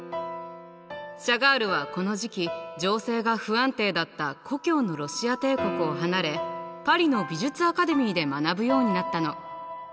シャガールはこの時期情勢が不安定だった故郷のロシア帝国を離れパリの美術アカデミーで学ぶようになったの。